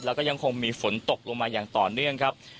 แล้วก็ยังคงมีฝนตกลงมาอย่างต่อเนื่องครับ